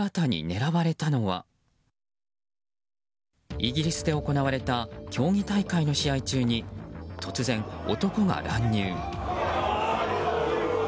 イギリスで行われた競技大会の試合中に突然、男が乱入。